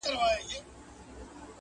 هر مېړه یې تر برېتو په وینو سور دی،